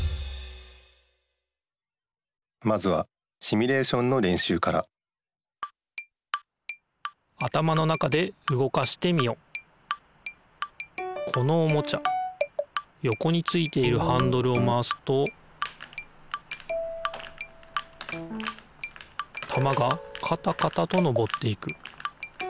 まずはシミュレーションのれんしゅうからこのおもちゃよこについているハンドルをまわすとたまがカタカタとのぼっていく。